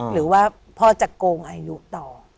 หรือว่าพ่อจะโกงอายุต่อ